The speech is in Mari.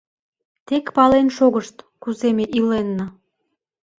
— Тек пален шогышт, кузе ме иленна.